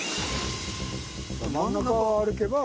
真ん中を歩けば。